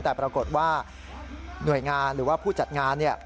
แต่ปรากฏว่าหน่วยงานหรือว่าผู้จัดงานเนี่ย